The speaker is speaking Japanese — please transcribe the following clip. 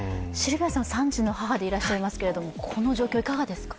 ３児の母でいらっしゃいますけどこの状況はいかがですか。